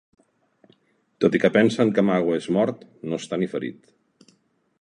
Tot i que pensen que Magua és mort, no està ni ferit.